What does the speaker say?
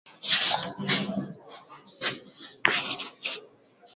Mussa Bwakila Lukwele amepitishwa hatua zote na kwa ukamilifu ameshakuwa Chifu Lukwele wa nne